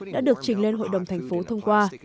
đã được trình lên hội đồng thành phố thông qua